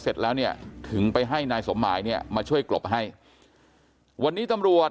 เสร็จแล้วเนี่ยถึงไปให้นายสมหมายเนี่ยมาช่วยกลบให้วันนี้ตำรวจ